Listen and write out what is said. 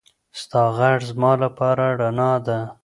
ستا غږ زما لپاره رڼا ده.